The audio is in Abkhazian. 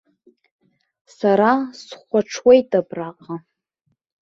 Са схәаҽуеит абраҟа.